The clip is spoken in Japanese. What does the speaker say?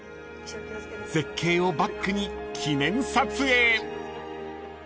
［絶景をバックに記念撮影］